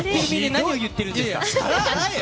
何を言ってるんですか。